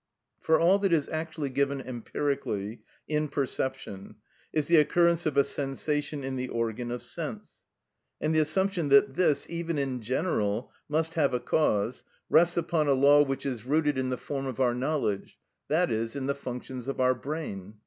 For all that is actually given empirically in perception is the occurrence of a sensation in the organ of sense; and the assumption that this, even in general, must have a cause rests upon a law which is rooted in the form of our knowledge, i.e., in the functions of our brain.